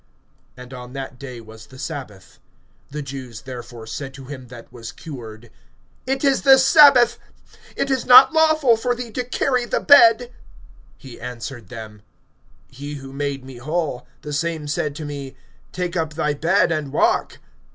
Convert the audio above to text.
And on that day was the sabbath. (10)The Jews therefore said to him that was cured: It is the sabbath; it is not lawful for thee to carry the bed. (11)He answered them: He who made me whole, the same said to me: Take up thy bed, and walk.